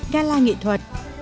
gala nghệ thuật